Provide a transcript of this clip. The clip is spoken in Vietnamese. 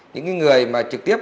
những người mà trực tiếp